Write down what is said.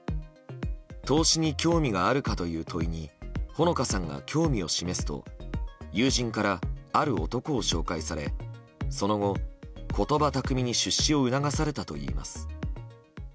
投資に興味があるかという問いに穂野香さんが興味を示すと友人からある男を紹介されその後、言葉巧みに出資を促されたといいます。